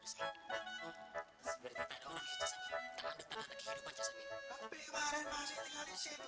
seberita tak ada orang yang bisa sambil terlambatkan lagi hidupannya samin